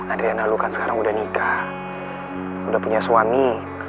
adriana lo kan sekarang udah nikah udah punya suami